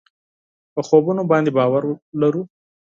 په خوبونو باندې باور لرو.